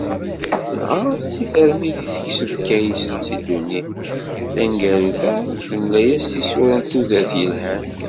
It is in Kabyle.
Dɣa s termit i tekseb Kaysa seg ddunit, taneggarut-a temla-as tisura n tudert yelhan.